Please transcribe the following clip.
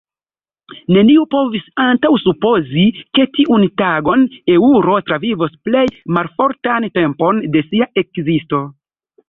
Neniu povis antaŭsupozi, ke tiun tagon eŭro travivos plej malfortan tempon de sia ekzisto.